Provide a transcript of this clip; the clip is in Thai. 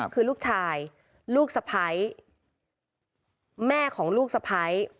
คือลูกชายลูกสะพ้ายแม่ของลูกสะพ้าย